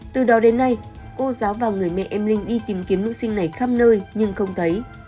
từ đó đến nay cô giáo và người mẹ em linh đi tìm kiếm nữ sinh này khắp nơi nhưng không thấy